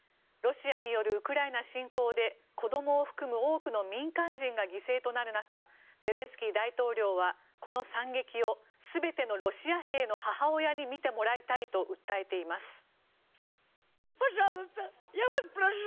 ロシアによるウクライナ侵攻で子どもを含む多くの民間人が犠牲となる中ゼレンスキー大統領はこの惨劇を全てのロシア兵の母親に見てもらいたいと訴えています。